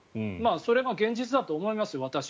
それが現実だと思いますよ。